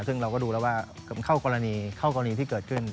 ซึ่งเราก็ดูแล้วว่าเข้ากรณีที่เกิดขึ้น